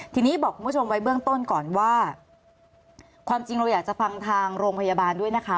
ทีนี้บอกคุณผู้ชมไว้เบื้องต้นก่อนว่าความจริงเราอยากจะฟังทางโรงพยาบาลด้วยนะคะ